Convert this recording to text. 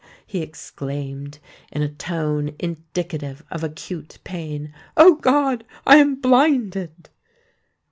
he exclaimed, in a tone indicative of acute pain: "O God! I am blinded!"